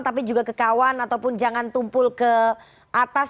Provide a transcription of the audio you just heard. tapi juga ke kawan ataupun jangan tumpul ke atas